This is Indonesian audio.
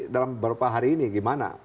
dalam beberapa hari ini gimana